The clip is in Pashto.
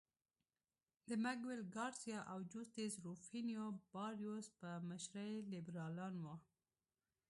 د مګویل ګارسیا او جوستو روفینو باریوس په مشرۍ لیبرالان وو.